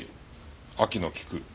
秋の菊。